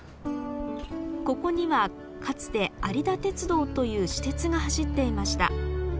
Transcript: ここにはかつて有田鉄道という私鉄が走っていました。